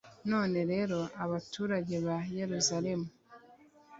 none rero, baturage ba yeruzalemu